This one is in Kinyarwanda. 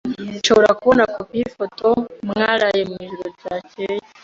Nshobora kubona kopi yifoto mwaraye mwijoro ryakeye?